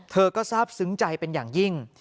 เธอก็ทราบซึ้งใจเป็นอย่างยิ่ง